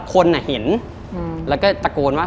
คนเห็นแล้วก็ตะโกนว่า